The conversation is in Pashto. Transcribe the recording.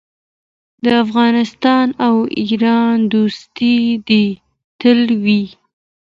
د افغانستان او ایران دوستي دې تل وي.